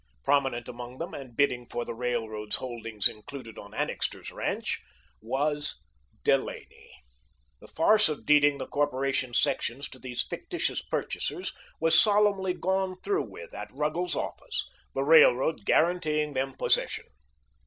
Prominent among them, and bidding for the railroad's holdings included on Annixter's ranch, was Delaney. The farce of deeding the corporation's sections to these fictitious purchasers was solemnly gone through with at Ruggles's office, the Railroad guaranteeing them possession.